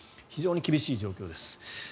非常に厳しい状況です。